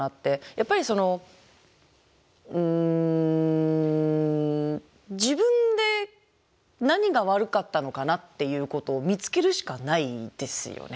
やっぱりそのうん自分で何が悪かったのかなっていうことを見つけるしかないですよね。